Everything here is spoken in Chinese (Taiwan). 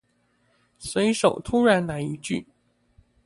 隨手突然來一句